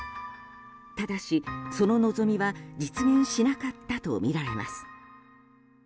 ただし、その望みは実現しなかったとみられます。